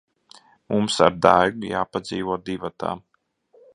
Mums ar Daigu jāpadzīvo divatā.